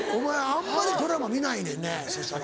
あんまりドラマ見ないねんねそしたら。